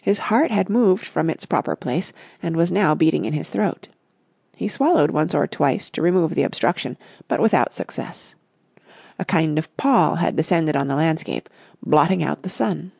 His heart had moved from its proper place and was now beating in his throat. He swallowed once or twice to remove the obstruction, but without success. A kind of pall had descended on the landscape, blotting out the sun.